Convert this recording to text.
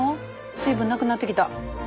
水分なくなってきた。